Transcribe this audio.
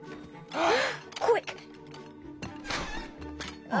ああ。